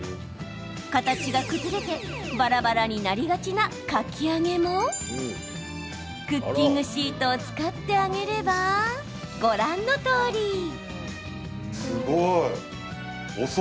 形が崩れてばらばらになりがちなかき揚げもクッキングシートを使って揚げれば、ご覧のとおり。